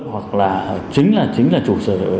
hoặc là chính là chủ sở